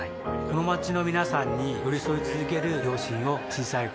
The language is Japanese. この街の皆さんに寄り添い続ける両親を小さい頃から見ていました